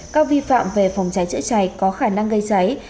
các vi phạm về phòng cháy chữa cháy có khả năng gây cháy